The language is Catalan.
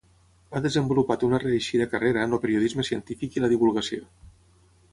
Ha desenvolupat una reeixida carrera en el periodisme científic i la divulgació.